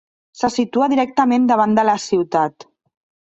Se situa directament davant de la ciutat.